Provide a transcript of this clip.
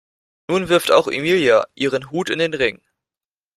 Nun wirft auch Emilia ihren Hut in den Ring.